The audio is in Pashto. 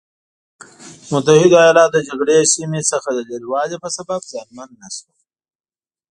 متحده ایلاتو د جګړې سیمې څخه د لرې والي په سبب زیانمن نه شول.